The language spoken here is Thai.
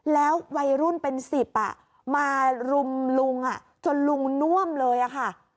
แล้ววัยรุ่นเป็น๑๐มารุมลุงจนลุงน่วมเลยค่ะ